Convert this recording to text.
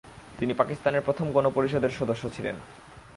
তিনি পাকিস্তানের প্রথম গণপরিষদের সদস্য ছিলেন।